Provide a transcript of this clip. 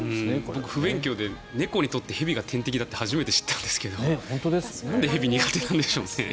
僕、不勉強で猫にとって蛇が天敵だって初めて知ったんですけどなんで蛇が苦手なんでしょうね。